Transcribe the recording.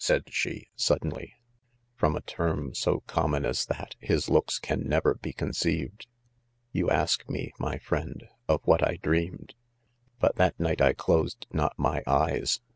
said she, suddenly ;,{ from a term so common as that, his looks can never he con ceived,— you ask me, my friend, of what I dreamed, hot that night I closed. not my eyes.